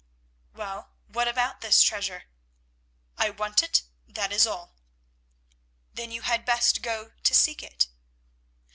"Well, what about this treasure?" "I want it, that is all." "Then you had best go to seek it."